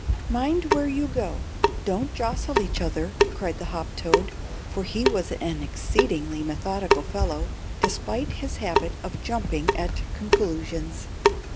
"Mind where you go don't jostle each other," cried the hoptoad, for he was an exceedingly methodical fellow, despite his habit of jumping at conclusions.